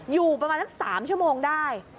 อยู่ประมาณสัก๓ชั่วโมงได้